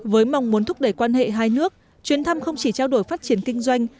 với mong muốn thúc đẩy quan hệ hai nước chuyến thăm không chỉ trao đổi phát triển kinh doanh